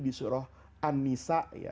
di surga an nisa